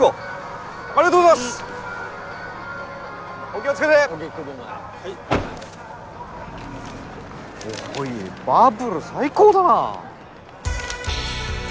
おいバブル最高だな！